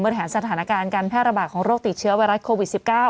สถานการณ์การแพร่ระบาดของโรคติดเชื้อไวรัสโควิด๑๙